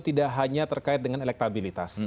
tidak hanya terkait dengan elektabilitas